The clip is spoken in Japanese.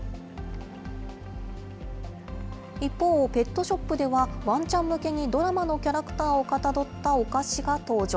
一方、ペットショップではわんちゃん向けにドラマのキャラクターをかたどったお菓子が登場。